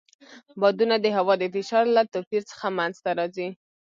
بادونه د هوا د فشار له توپیر څخه منځته راځي.